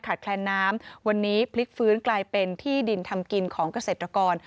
แคลนน้ำวันนี้พลิกฟื้นกลายเป็นที่ดินทำกินของเกษตรกร